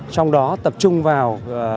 trong đó tập trung vào